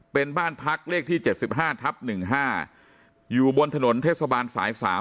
เป็นบ้านพักเลขที่เจ็ดสิบห้าทับหนึ่งห้าอยู่บนถนนเทศบาลสายสาม